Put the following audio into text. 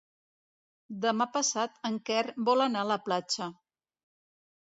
Demà passat en Quer vol anar a la platja.